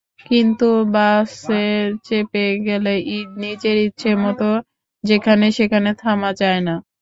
কিন্তু বাসে চেপে গেলে নিজের ইচ্ছেমতো যেখানে সেখানে থামা যায় না।